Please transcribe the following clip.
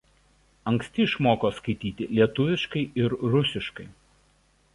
Anksti išmoko skaityti lietuviškai ir rusiškai.